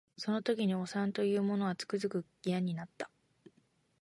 その時におさんと言う者はつくづく嫌になった